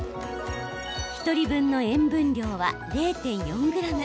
１人分の塩分量は０．４ｇ。